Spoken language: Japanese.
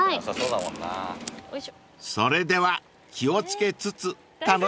［それでは気を付けつつ楽しんで］